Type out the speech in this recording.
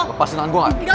lepas senangan gue gak